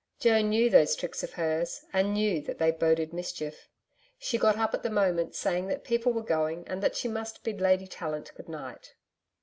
Joan knew those tricks of hers and knew that they boded mischief. She got up at the moment saying that people were going and that she must bid Lady Tallant good night.